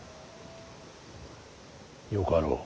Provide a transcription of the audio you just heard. よかろう。